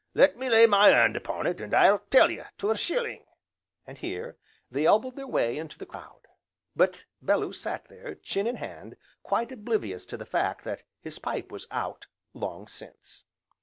"Let me lay my 'and upon it, and I'll tell you to a shilling," and here, they elbowed their way into the crowd. But Bellew sat there, chin in hand, quite oblivious to the fact that his pipe was out, long since.